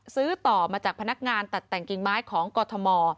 ซื้อต่อมาจากพนักงานตัดแต่งกิ่งไม้ของกรทม